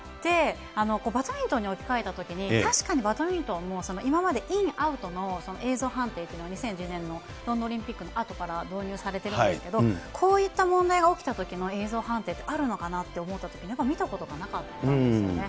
バドミントンに置き換えたときに、確かにバドミントンも今までイン・アウトの映像判定というのは２０１０年のロンドンオリンピックのあとから導入されてるんですけど、こういった問題が起きたときの映像判定ってあるのかなって思ったとき、やっぱり見たことがなかったんですよね。